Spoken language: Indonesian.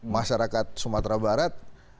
masyarakat sumatera barat